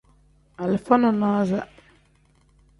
Alifa nonaza.